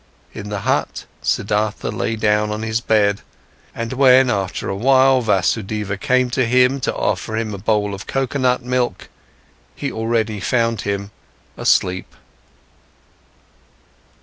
In the hut, Siddhartha lay down on his bed, and when after a while Vasudeva came to him, to offer him a bowl of coconut milk, he already found him asleep.